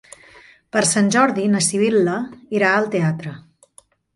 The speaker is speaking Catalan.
Per Sant Jordi na Sibil·la irà al teatre.